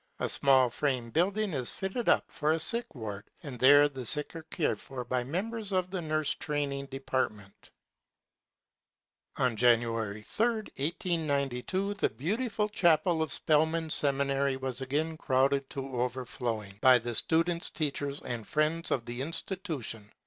A small frame building is fitted up for a sick ward and there the sick are cared for by members of the nurse training department On January 3, 1892, the beautiful chapel of Spelman Seminary was again crowded to overflowing by the students, teachers, and friends of the institution.